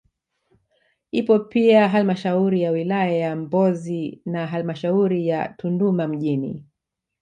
Ipo pia halmashauri ya wilaya ya Mbozi na halmashauri ya Tunduma mjini